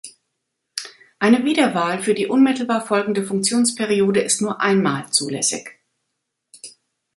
Eine Wiederwahl für die unmittelbar folgende Funktionsperiode ist nur einmal zulässig.